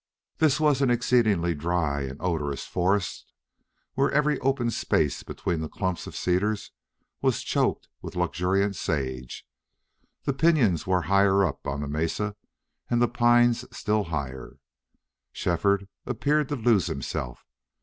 This was an exceedingly dry and odorous forest, where every open space between the clumps of cedars was choked with luxuriant sage. The pinyons were higher up on the mesa, and the pines still higher. Shefford appeared to lose himself.